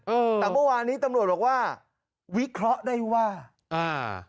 เออแต่เมื่อวานนี้ตำรวจบอกว่าวิเคราะห์ได้ว่าอ่า